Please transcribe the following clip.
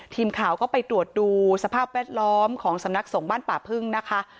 ทีมข่าวก็ไปตรวจดูสภาพแวดล้อมของสำนักสงฆ์บ้านป่าพึ่งนะคะ